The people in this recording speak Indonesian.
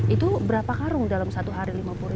itu berapa karung dalam satu hari lima puluh